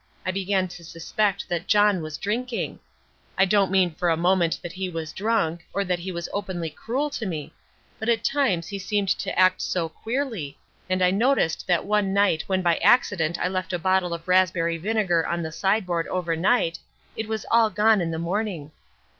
I began to suspect that John was drinking. I don't mean for a moment that he was drunk, or that he was openly cruel to me. But at times he seemed to act so queerly, and I noticed that one night when by accident I left a bottle of raspberry vinegar on the sideboard overnight, it was all gone in the morning.